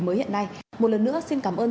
mới hiện nay một lần nữa xin cảm ơn